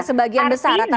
sebagian besar rata rata